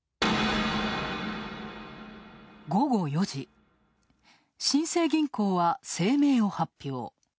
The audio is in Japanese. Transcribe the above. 午後４時、新生銀行は声明を発表。